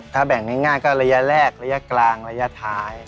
ถ้าแบ่งง่ายก็ระยะแรกระยะกลางระยะท้าย